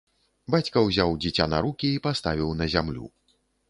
Бацька ўзяў дзіця на рукі і паставіў на зямлю.